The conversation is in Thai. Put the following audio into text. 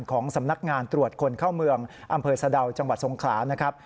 ของสำนักงานตรวจคนเข้าเมืองอำเภอสะดาวจังหวัดสงขลานะครับ